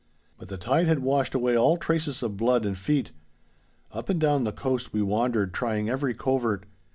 But the tide had washed away all traces of blood and feet. Up and down the coast we wandered trying every covert.